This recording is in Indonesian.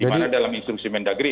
dimana dalam instruksi mendagri